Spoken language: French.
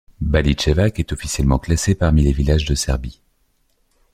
Baličevac est officiellement classé parmi les villages de Serbie.